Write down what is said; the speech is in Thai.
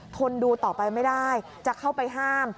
ทนดูต่อไปไม่ได้จะเข้าไปห้าม